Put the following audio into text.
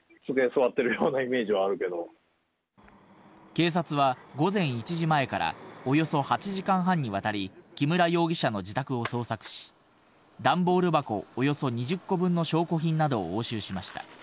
警察は午前１時前からおよそ８時間半にわたり木村容疑者の自宅を捜索し、段ボール箱およそ２０個分の証拠品などを押収しました。